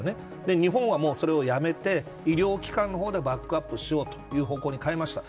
日本は、それをやめて医療機関の方でバックアップしようとという方向に変えました。